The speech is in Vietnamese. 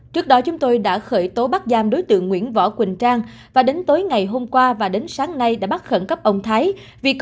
trước đó chúng tôi đã khởi tố bắt giam đối tượng nguyễn võ quỳnh trang và đến tối ngày hôm qua và đến sáng nay đã bắt khẩn cấp ông thái